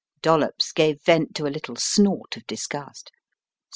Dollops gave vent to a little snort of disgust.